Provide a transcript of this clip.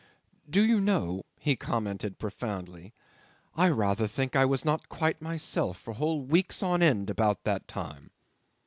"Do you know," he commented profoundly, "I rather think I was not quite myself for whole weeks on end about that time."